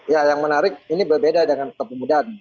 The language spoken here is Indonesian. ya yang menarik ini berbeda dengan kepemudaan